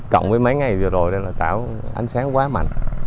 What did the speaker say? cộng với mấy ngày vừa rồi đây là tạo ánh sáng quá mạnh